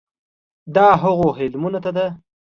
دا هغو علومو ته ده.